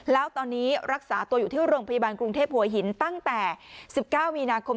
แล้วตอนนี้รักษาตัวอยู่ที่โรงพยาบาลกรุงเทพหัวหินตั้งแต่๑๙มีนาคม